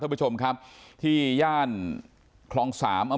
พี่สภัยลงมาดูว่าเกิดอะไรขึ้น